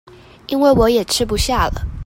因為我也吃不下了